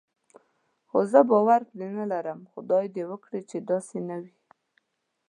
خو زه باور پرې نه لرم، خدای دې وکړي چې داسې نه وي.